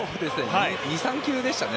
２３球でしたね。